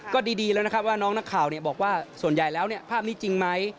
ก็ดีแล้วนะครับว่าน้องนักข่าวบอกว่าส่วนใหญ่แล้วภาพนี้จริงไหม